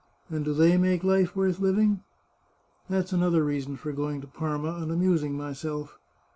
And do they make life worth living? That's another reason for going to Parma and amusing myself.